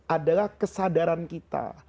adalah kesadaran kita